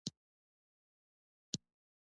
د جلغوزیو صادرات میلیونونه ډالر عاید لري